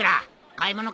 買い物か？